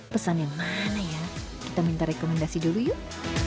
pesan yang mana ya kita minta rekomendasi dulu yuk